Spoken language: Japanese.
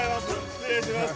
失礼します。